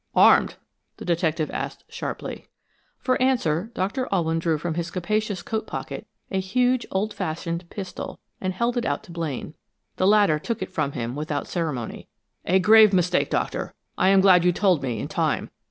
"Armed?" the detective asked, sharply. For answer, Doctor Alwyn drew from his capacious coat pocket a huge, old fashioned pistol, and held it out to Blaine. The latter took it from him without ceremony. "A grave mistake, Doctor. I am glad you told me, in time.